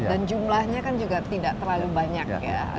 dan jumlahnya kan juga tidak terlalu banyak ya